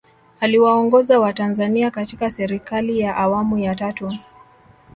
aliwaongoza watanzania katika serikali ya awamu ya tatu